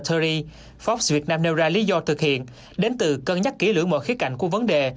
tury forbes việt nam nêu ra lý do thực hiện đến từ cân nhắc kỹ lưỡng mọi khía cạnh của vấn đề